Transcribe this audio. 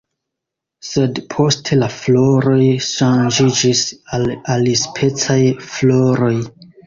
Sed poste la floroj ŝanĝiĝis al alispecaj floroj.